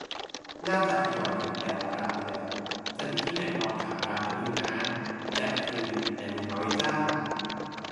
น่าจะทยอยถึงแต่ละร้านแล้ว สนิทที่ไหนลองถามร้านนั้นดูน้า แจกฟรี แต่มีน้อยจ้า